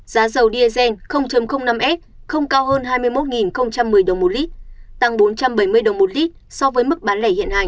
giá dầu diesel năm s không cao hơn hai mươi một một mươi đồng một lít tăng bốn trăm bảy mươi đồng một lít so với mức bán lẻ hiện hành